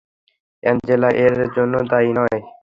Angela এর জন্য দায়ী নয়!